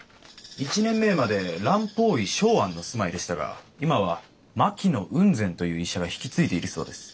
１年前まで蘭方医松庵の住まいでしたが今は牧野雲仙という医者が引き継いでいるそうです。